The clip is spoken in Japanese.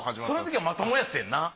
そのときはまともやってんな。